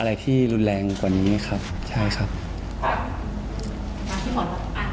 เรารู้สึกอย่างไรน่ะทำไมถึงได้ประเด็นนี้ขึ้นมา